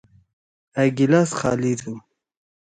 أ گلاس خالی تُھو۔